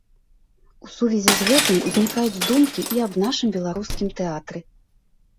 У сувязі з гэтым узнікаюць думкі і аб нашым беларускім тэатры.